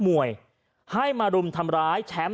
ก็ได้พลังเท่าไหร่ครับ